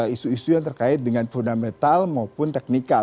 isu isu yang terkait dengan fundamental maupun teknikal